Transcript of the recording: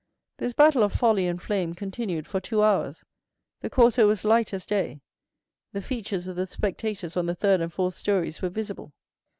This battle of folly and flame continued for two hours; the Corso was light as day; the features of the spectators on the third and fourth stories were visible.